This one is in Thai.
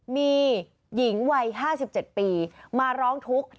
มีหญิงวัย๕๗ปีมาร้องทุกข์